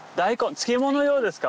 漬物用ですか？